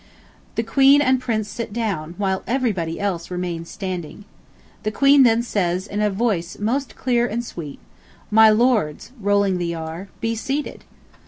The Queen and Prince sit down, while everybody else remains standing. The Queen then says in a voice most clear and sweet: "My lords (rolling the r), be seated."